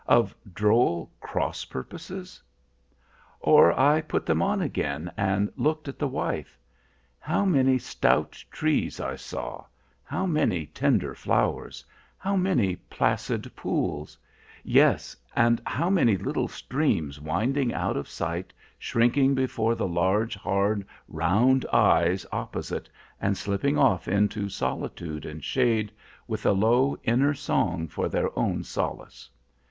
of droll cross purposes? "Or I put them on again, and looked at the wife. How many stout trees I saw,—how many tender flowers,—how many placid pools; yes, and how many little streams winding out of sight, shrinking before the large, hard, round eyes opposite, and slipping off into solitude and shade, with a low, inner song for their own solace.